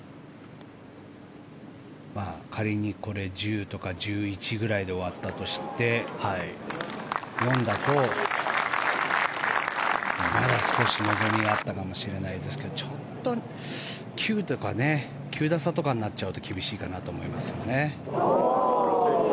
仮にこれ１０とか１１ぐらいで終わったとして、４だとまだ少し望みがあったかもしれないですけどちょっと９打差とかになっちゃうと厳しいかなと思いますよね。